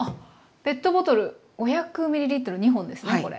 ペットボトル５００ｍ２本ですねこれ。